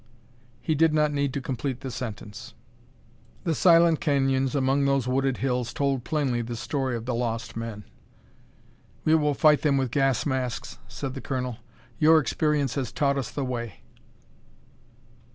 He did not need to complete the sentence. The silent canyons among those wooded hills told plainly the story of the lost men. "We will fight them with gas masks," said the colonel; "your experience has taught us the way."